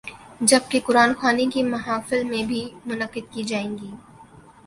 جب کہ قرآن خوانی کی محافل بھی منعقد کی جائیں گی۔